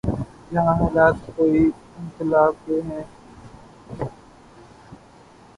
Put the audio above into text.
یہاں حالات کوئی انقلاب کے ہیں؟